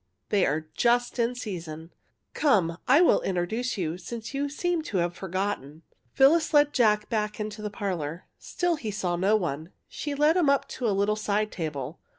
They are just in season. Come, I will introduce you, since you seem to have forgotten.'' Phyllis led Jack back into the parlour. Still he saw no one. She led him up to a little side table.